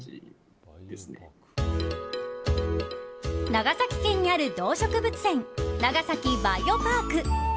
長崎県にある動植物園長崎バイオパーク。